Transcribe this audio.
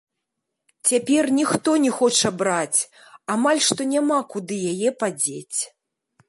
Цяпер ніхто не хоча браць, амаль што няма куды яе падзець.